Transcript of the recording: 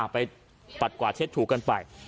ไปปัดกวาดเช็ดถูกกันไป